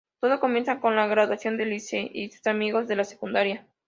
Todo comienza con la graduación de Lizzie y sus amigos de la secundaria.